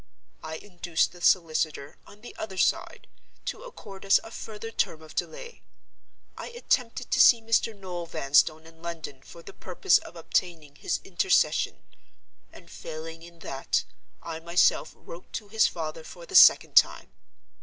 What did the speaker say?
I induced the solicitor, on the other side, to accord us a further term of delay; I attempted to see Mr. Noel Vanstone in London for the purpose of obtaining his intercession; and, failing in that, I myself wrote to his father for the second time.